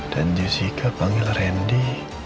dan jessica panggil randy